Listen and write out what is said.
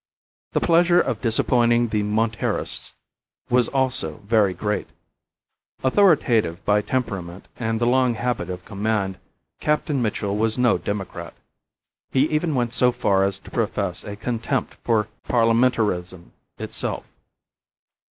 The pleasure of disappointing the Monterists was also very great. Authoritative by temperament and the long habit of command, Captain Mitchell was no democrat. He even went so far as to profess a contempt for parliamentarism itself.